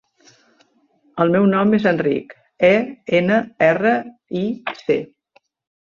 El meu nom és Enric: e, ena, erra, i, ce.